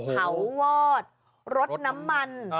เผาวอดรถน้ำมัน